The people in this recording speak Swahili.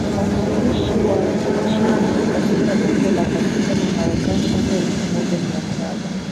mwakilishi wa Virginia katika bunge la katiba la Marekani mwaka elfu moja mia saba